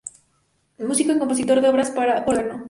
Músico y compositor de obras para órgano.